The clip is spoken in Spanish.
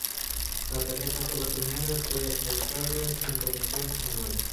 La tarjeta fue la primera de Australia sin comisiones anuales.